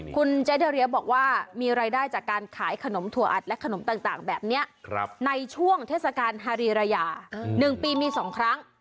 คุณเจ๊เดอเรียบอกว่ามีรายได้จากการขายขนมถั่วอัดและขนมต่างแบบนี้ในช่วงเทศกาลฮารีระยา๑ปีมี๒ครั้ง